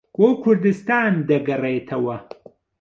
بۆ کوردستان دەگەڕێتەوە